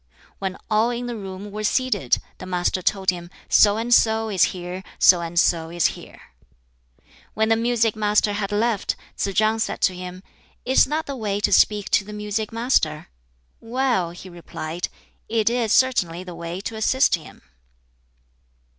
When all in the room were seated, the Master told him "So and so is here, so and so is here." When the music master had left, Tsz chang said to him, "Is that the way to speak to the music master?" "Well," he replied, "it is certainly the way to assist him."